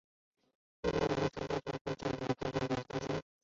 外界常常无法理解更广泛的组织成员为什么参与派别斗争。